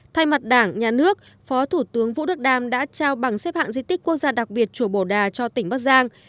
thay mặt đảng nhà nước phó thủ tướng vũ đức đam đã trao bằng xếp hạng di tích quốc gia đặc biệt chùa bồ đà cho tỉnh bắc giang